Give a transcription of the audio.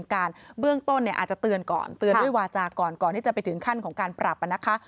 ก่อนจะไปถึงขั้นของการปรับมานะคะ